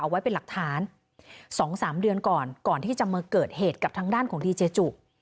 ไว้เป็นหลักฐาน๒๓เดือนก่อนก่อนที่จะมาเกิดเหตุกับทางด้านของดีเจจุ